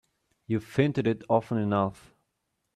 You've hinted it often enough.